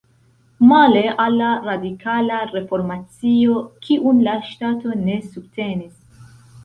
Male al la Radikala Reformacio, kiun la ŝtato ne subtenis.